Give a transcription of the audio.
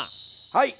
はい。